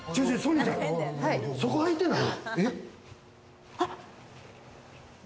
そこ空いてない？